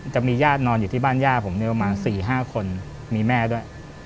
จะมีญาตินอนอยู่ที่บ้านย่าผมประมาณ๔๕คนมีแม่ด้วย